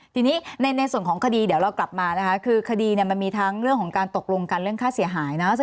ทีนี้ในส่วนของคดีเดี๋ยวเรากลับมานะคะคือคดีมันมีทั้งเรื่องของการตกลงกันเรื่องค่าเสียหายนะ